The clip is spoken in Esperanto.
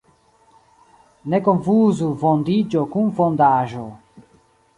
Ne konfuzu fondiĝo kun fondaĵo.